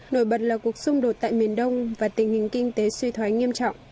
nổi bật là cuộc xung đột tại miền đông và tình hình kinh tế suy thoái nghiêm trọng